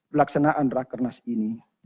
pelaksanaan rakernas ini